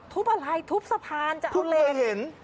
ทุบอะไรทุบสะพานทุบเพิ่งเห็น